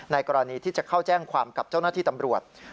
กรณีที่จะเข้าแจ้งความกับเจ้าหน้าที่ตำรวจ